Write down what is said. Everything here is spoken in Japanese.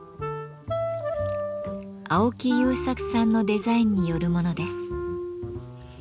青木雄作さんのデザインによるものです。